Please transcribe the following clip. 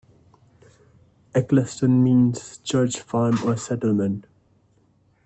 Eccleston means church farm or settlement.